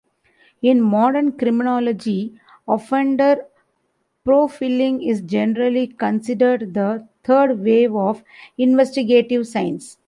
In modern criminology, offender profiling is generally considered the "third wave" of investigative science.